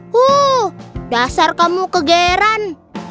huh dasar kamu kegeran